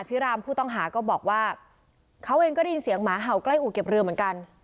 รามผู้ต้องหาก็บอกว่าเขาเองก็ได้ยินเสียงหมาเห่าใกล้อู่เก็บเรือเหมือนกัน